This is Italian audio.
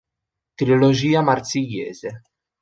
Trilogia marsigliese